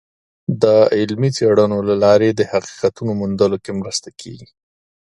د علمي څیړنو له لارې د حقیقتونو موندلو کې مرسته کیږي.